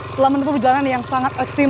setelah menempuh perjalanan yang sangat ekstrim